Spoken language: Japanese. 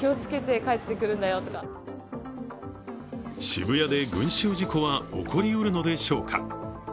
渋谷で群集事故は起こり得るのでしょうか。